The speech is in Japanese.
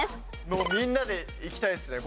もうみんなでいきたいですね